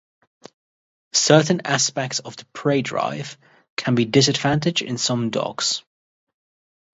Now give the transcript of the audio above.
Certain aspects of the prey drive can be a disadvantage in some dogs.